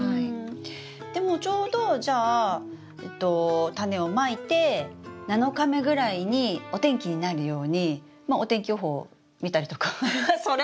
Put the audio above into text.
でもちょうどじゃあタネをまいて７日目ぐらいにお天気になるようにまあお天気予報を見たりとかハハッ。